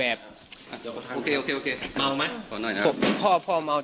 แต่พ่อผมยังมีชีวิตอยู่นะครับพูดประโยคนี้ประมาณ๓รอบ